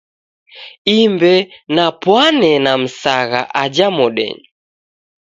Imbe napwanee na Msagha aja modenyi.